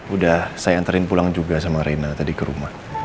udah saya antarin pulang juga sama rena tadi ke rumah